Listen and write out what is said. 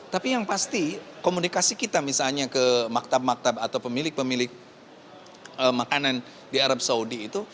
tapi yang pasti komunikasi kita misalnya ke maktab maktab atau pemilik pemilik makanan di arab saudi itu